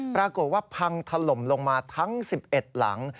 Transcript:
ปรากฏว่าพังถล่มลงมาทั้ง๑๑หลัง